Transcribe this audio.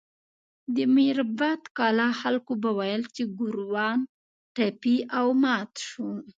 د میربت کلا خلکو به ویل چې ګوروان ټپي او مات شو.